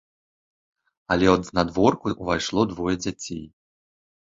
Але от знадворку ўвайшло двое дзяцей.